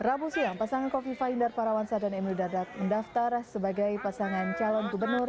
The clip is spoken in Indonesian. rabu siang pasangan kofifa indar parawansa dan emil dardak mendaftar sebagai pasangan calon gubernur